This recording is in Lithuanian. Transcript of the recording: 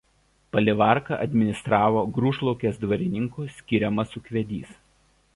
Palivarką administravo Grūšlaukės dvarininkų skiriamas ūkvedys.